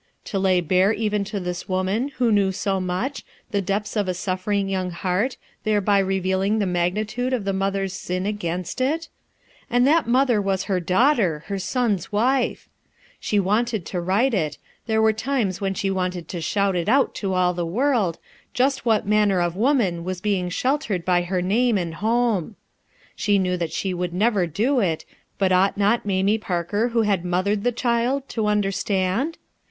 To lay bare even to this woman, who knew so much, the depths of a suffering young heart, thereby revealing the magnitude of the mother's sin against it ? And that mother was her daughter, her son's wife ! She wanted to write it ; there were times when she wanted to shout it out to all the world, just what manner of woman was being sheltered by her name and home. She knew that she would never do it, but ought not Mamie Parker who had mothered the child, to understand